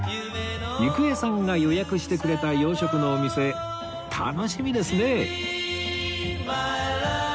郁恵さんが予約してくれた洋食のお店楽しみですね